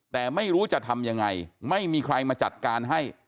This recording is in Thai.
แต่ไม่รู้จะทำยังไงไม่มีใครมาจัดการให้